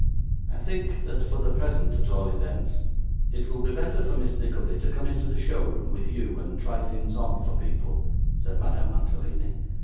'I think that, for the present at all events, it will be better for Miss Nickleby to come into the show room with you, and try things on for people,' said Madame Mantalini.